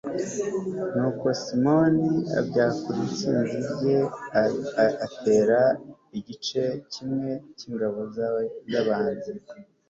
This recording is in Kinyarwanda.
nuko simoni abakura itsinda rye atera igice kimwe cy'ingabo z'abanzi